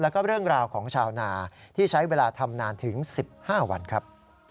แล้วก็เรื่องราวของชาวนาที่ใช้เวลาทำนานถึง๑๕วันครับ